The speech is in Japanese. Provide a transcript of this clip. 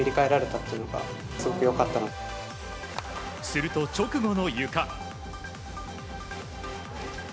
すると、直後のゆか。